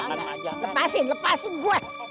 lepasin lepasin gue